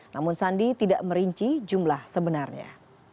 namun sandi tidak merinci jumlah sebenarnya